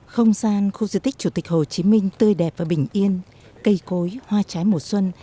không gian khu di tích chủ tịch hồ chí minh tươi đẹp và bình yên cây cối hoa trái mùa xuân